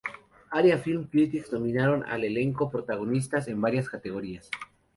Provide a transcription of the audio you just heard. Area Film Critics nominaron al elenco protagonista en varias categorías.